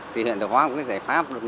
thì huyện thiệu hóa cũng có cái giải pháp